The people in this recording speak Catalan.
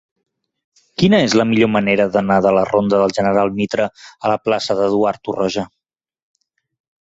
Quina és la millor manera d'anar de la ronda del General Mitre a la plaça d'Eduard Torroja?